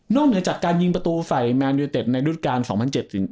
นอกจากการยิงประตูฝ่ายแมนยูเตศในรุทการ์สองพันเจ็ด